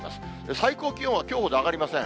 最高気温はきょうほど上がりません。